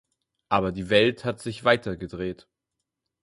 Aber die Welt hat sich weitergedreht.